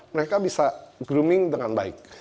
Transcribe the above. mereka bisa grooming dengan baik